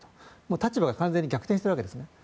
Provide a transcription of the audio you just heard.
立場が完全に逆転してるわけですね。